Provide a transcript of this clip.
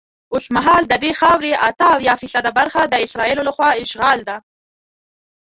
اوسمهال ددې خاورې اته اویا فیصده برخه د اسرائیلو له خوا اشغال ده.